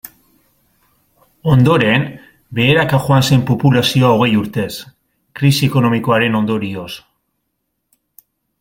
Ondoren, beheraka joan zen populazio hogei urtez, krisi ekonomikoaren ondorioz.